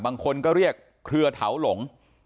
บางคนก็เรียกเครือเถาหลง